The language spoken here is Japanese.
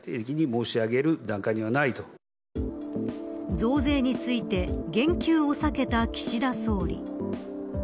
増税について言及を避けた岸田総理。